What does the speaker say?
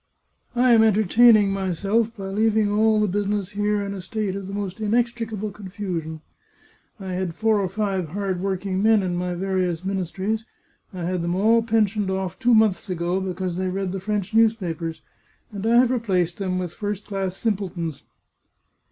I am entertaining myself by leaving all the business here in a state of the most inextricable confusion. I had four or five hard working men in my various ministries; I had them all pensioned oflf, two months ago, because they read the French news papers, and I have replaced them with first class simple tons."